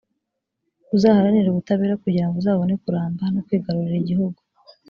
uzaharanire ubutabera, kugira ngo uzabone kuramba no kwigarurira igihugu